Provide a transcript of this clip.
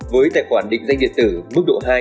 với tài khoản định danh điện tử mức độ hai